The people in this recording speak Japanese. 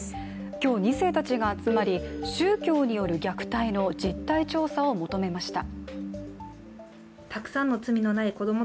今日２世たちが集まり、宗教による虐待の実態調査を求めました。